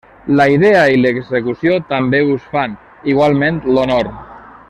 La idea i l'execució també us fan, igualment, l'honor.